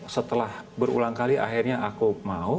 setelah berulang kali akhirnya aku mau